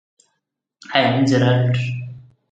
Most Muslim women wear "burqa" and "hijab" outdoors.